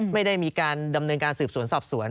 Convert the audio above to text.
ไม่ได้มีการดำเนินการสืบสวนสอบสวน